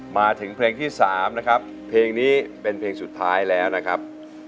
มาถึงเพลงที่๓นะครับเพลงนี้เป็นเพลงสุดท้ายแล้วนะครับ